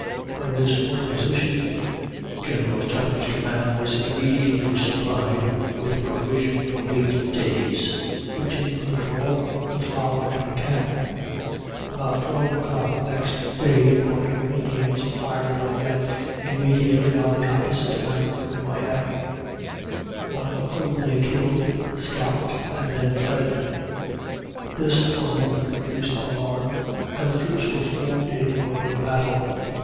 When this order was issued, General Tupper's command was immediately supplied with provision for eight days, which included all the flour in camp. About 12 o'clock next day a party of Indians fired on the men immediately on the opposite bank of the Miami, one of whom they killed, scalped, and then fled! This, for a moment, produced alarm, and the troops were formed in order of battle.